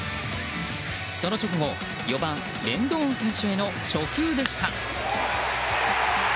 その直後、４番レンドーン選手への初球でした。